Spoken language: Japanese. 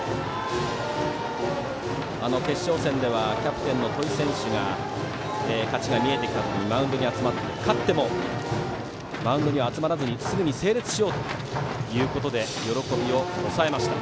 決勝戦ではキャプテンの戸井選手が勝ちが見えてきた時にマウンドに集まって勝ってもマウンドには集まらずにすぐに整列しようということで喜びを抑えました。